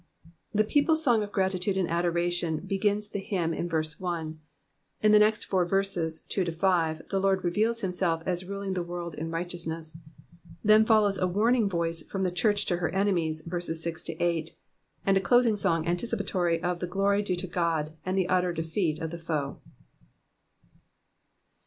— The people's song of graJHude ttnd aaoration begins the hymn in verse I. In the next four verses 2 — 5, the Jjord reveals himself as ruling Ute world iii righteousness. Then follows a warning voice from the church to her enemies, verses 6—8, and a closing song anticipittory of Uie glory due to God and the utter drfeat of the foe.